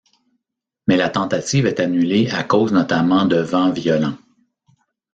Mais la tentative est annulée à cause notamment de vents violents.